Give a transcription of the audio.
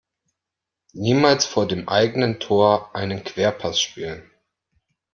Niemals vor dem eigenen Tor einen Querpass spielen!